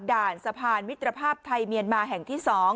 ด่านสะพานมิตรภาพไทยเมียนมาแห่งที่๒